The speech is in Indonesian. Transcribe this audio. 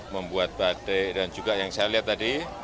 membuat batik dan juga yang saya lihat tadi